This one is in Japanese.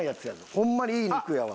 ホンマにいい肉やわ。